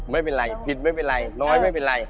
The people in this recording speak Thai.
ไม่เป็นไรผิดไม่เป็นไรน้อยไม่เป็นไร